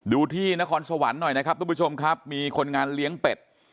ดูที่นครสวรรค์หน่อยนะครับทุกผู้ชมครับมีคนงานเลี้ยงเป็ด